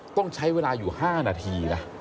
ต้องใช้เวลาอยู่๕นาทีนะ